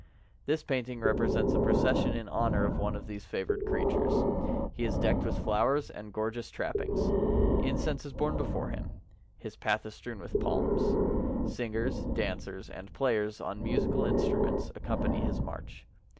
This painting represents a procession in honor of one of these favored creatures. He is decked with flowers and gor geous trappings. Incense is borne before him. His path is strewn with palms. Singers, dancers, and players on musical instruments accompany his march.